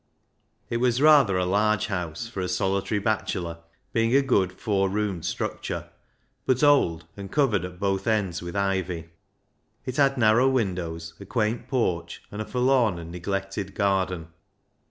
It was rather a large house for a solitary bachelor, being a good four roomed structure, but old, and covered at both ends with ivy. It had narrow windows, a quaint porch, and a forlorn and neglected garden.